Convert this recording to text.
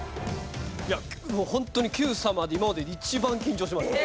もうホントに『Ｑさま！！』で今までで一番緊張しました。